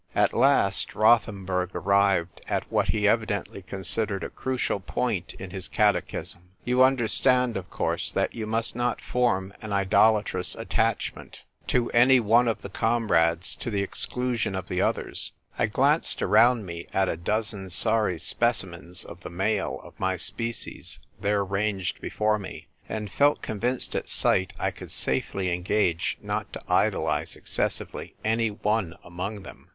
At last Rothenburg arrived at what he evidently considered a crucial point in his catechism. " You understand, of course, that you must not form an idolatrous attachment THE INNER DKOTIIEKIIOOD, 63 to any one of the comrades, to the exclusion of the others ?" I glanced around me at the dozen sorry specimens of the male of my species there ranged before me, and felt convinced at sight I could safely engage not to idolise exces sively any one among them.